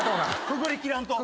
くぐりきらんと。